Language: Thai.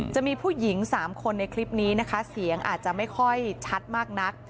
จะมีผู้หญิง๓คนในคลิปนี้นะคะเสียงอาจจะไม่ค่อยชัดมากนัก